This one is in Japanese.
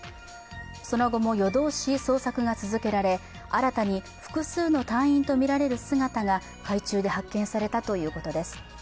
その後も夜通し捜索が続けられ新たに複数の隊員とみられる姿が海中で発見されたということです。